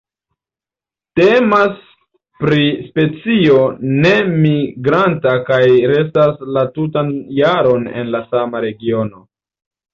Temas pri specio nemigranta kaj restas la tutan jaron en la sama regiono.